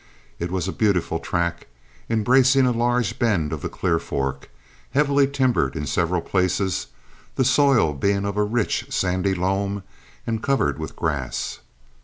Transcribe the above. It was a beautiful tract, embracing a large bend of the Clear Fork, heavily timbered in several places, the soil being of a rich, sandy loam and covered with grass.